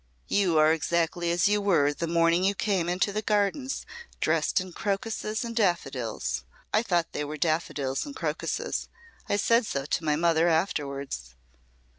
"You are exactly as you were the morning you came into the Gardens dressed in crocuses and daffodils. I thought they were daffodils and crocuses. I said so to my mother afterwards."